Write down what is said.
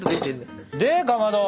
でかまど。